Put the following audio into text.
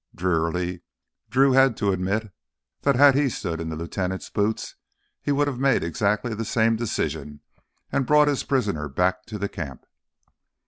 Drearily Drew had to admit that had he stood in the lieutenant's boots, he would have made exactly the same decision and brought his prisoner back to the camp.